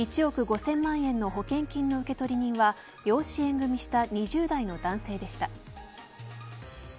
１億５０００万円の保険金の受取人は養子縁組した２０代の男性でした。